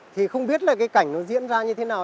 thì không biết là cái cảnh nó diễn ra như thế nào